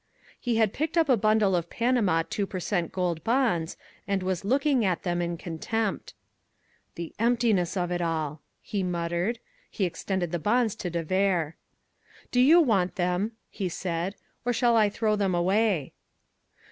He had picked up a bundle of Panama two per cent. gold bonds and was looking at them in contempt. "The emptiness of it all!" he muttered. He extended the bonds to de Vere. "Do you want them," he said, "or shall I throw them away?"